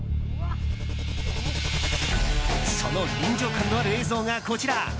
その臨場感のある映像がこちら。